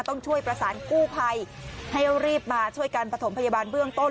ต้องช่วยประสานกู้ภัยให้รีบมาช่วยกันประถมพยาบาลเบื้องต้น